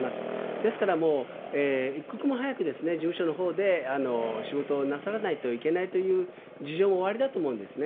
ですから、一刻も早く事務所のほうで仕事をなさらないといけないという事情もおありだと思うんですね。